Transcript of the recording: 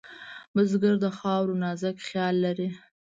بزګر د خاورو نازک خیال لري